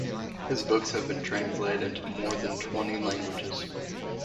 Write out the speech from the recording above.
His books have been translated into more than twenty languages.